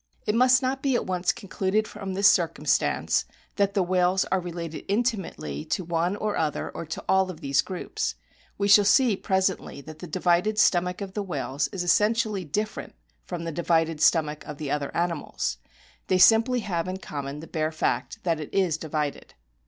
It must not be at once concluded from this circumstance that the whales are related intimately to one or other or to all of these groups. We shall see presently that the divided stomach of the whales is essentially different from the divided stomach of the other animals. They simply have in common the bare fact that it is divided.